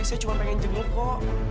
saya cuma pengen jenggol kok